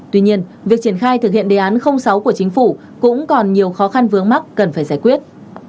tuy nhiên việc triển khai thực hiện đề án sáu của chính phủ cũng còn nhiều khó khăn vướng mắt cần phải giải quyết